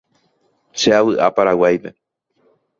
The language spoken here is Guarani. Che avy'a Paraguáipe.